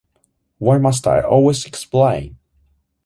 Why Must I Always Explain?